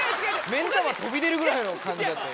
目ん玉飛び出るぐらいの感じだったよ